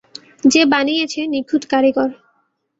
যে বানিয়েছে নিখুঁত কারিগর।